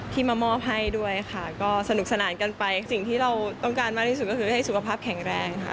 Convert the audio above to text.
มามอบให้ด้วยค่ะก็สนุกสนานกันไปสิ่งที่เราต้องการมากที่สุดก็คือให้สุขภาพแข็งแรงค่ะ